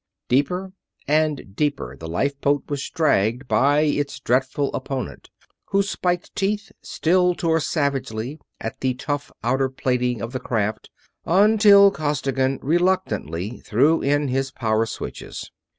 Deeper and deeper the lifeboat was dragged by its dreadful opponent, whose spiked teeth still tore savagely at the tough outer plating of the craft, until Costigan reluctantly threw in his power switches.